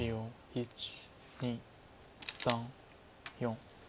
１２３４。